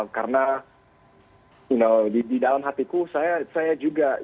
karena di dalam hatiku saya juga